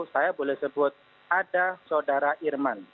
saya boleh sebut ada saudara irman